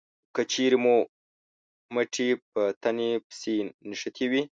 که چېرې مو مټې په تنې پسې نښتې وي